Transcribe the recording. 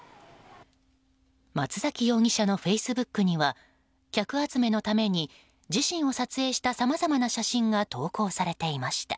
松崎容疑者のフェイスブックには客集めのために自身を撮影したさまざまな写真が投稿されていました。